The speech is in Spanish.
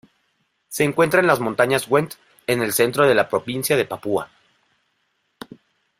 Se encuentra en las montañas Went en el centro de la provincia de Papua.